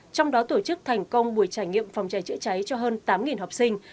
trong đó tổ chức thành công buổi trải nghiệm phòng cháy chữa cháy cho hơn tám học sinh